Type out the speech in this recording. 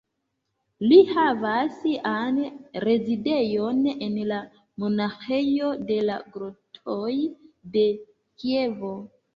Li havas sian rezidejon en la Monaĥejo de la Grotoj de Kievo.